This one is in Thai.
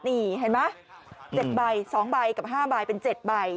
นี่เห็นไหม๗ใบ๒ใบกับ๕ใบเป็น๗ใบ